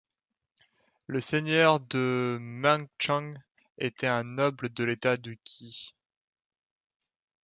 Le Seigneur de Mengchang était un noble de l’État du Qi.